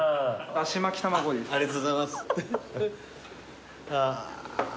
ありがとうございます。